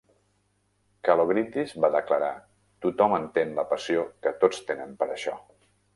Kalogridis va declarar "Tothom entén la passió que tots tenen per això".